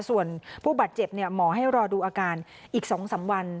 ส่วนผู้บาดเจ็บหมอให้รอดูอาการอีก๒๓วัน